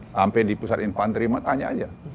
sampai di pusat infanterima tanya aja